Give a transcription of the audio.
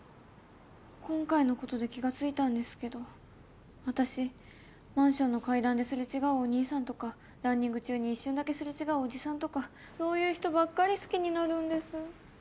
今回のことで気がついたんですけど私マンションの階段ですれ違うお兄さんとかランニング中に一瞬だけすれ違うおじさんとかそういう人ばっかり好きになるんです。